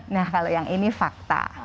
nah kalau yang ini fakta